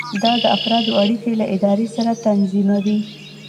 دا د افرادو اړیکې له ادارې سره تنظیموي.